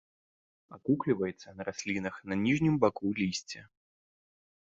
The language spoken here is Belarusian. Акукліваецца на раслінах на ніжнім баку лісця.